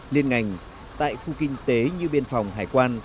lại khu kinh tế như biên phòng hải quan